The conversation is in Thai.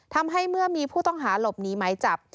ทำให้เมื่อมีผู้ต้องหาหลบหนีไม้จับ